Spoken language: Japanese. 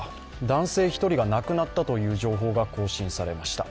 男性１人が亡くなったという情報が更新されました。